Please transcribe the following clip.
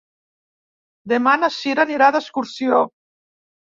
Demà na Sira anirà d'excursió.